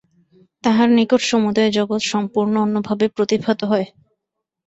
তাঁহার নিকট সমুদয় জগৎ সম্পূর্ণ অন্যভাবে প্রতিভাত হয়।